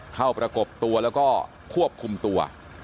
ประกบตัวแล้วก็ควบคุมตัว